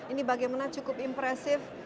ini bagaimana cukup impresif